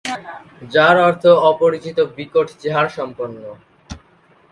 যার অর্থ অপরিচিত বিকট চেহারাসম্পন্ন।